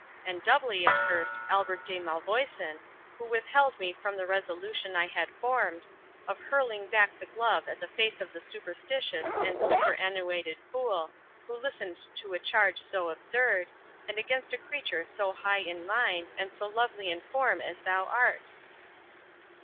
and doubly accursed Albert de Malvoisin, who withheld me from the resolution I had formed, of hurling back the glove at the face of the superstitious and superannuated fool, who listened to a charge so absurd, and against a creature so high in mind, and so lovely in form as thou art!"